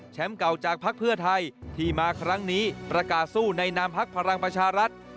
เก่าจากพักเพื่อไทยที่มาครั้งนี้ประกาศสู้ในนามพักพลังประชารัฐ